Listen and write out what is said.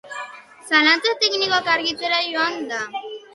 Zalantza teknikoak argitzera joan da.